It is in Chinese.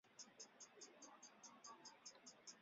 任内其推行的政策直接导致四川大量民众的死亡。